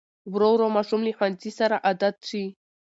ورو ورو ماشوم له ښوونځي سره عادت شي.